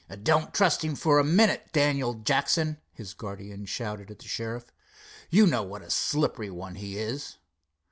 "Don't trust him for a minute, Daniel Jackson," his guardian shouted to the sheriff. "You know what a slippery one he is."